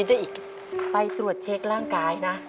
เงินเงินเงินเงิน